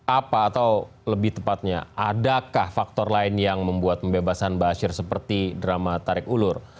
apa atau lebih tepatnya adakah faktor lain yang membuat pembebasan ⁇ asyir ⁇ seperti drama tarik ulur